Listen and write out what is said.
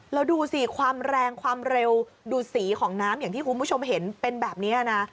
แล้วดูสิความแรงความเร็วดูสีของน้ำอย่างที่คุณผู้ชมเห็นเป็นแบบนี้นะ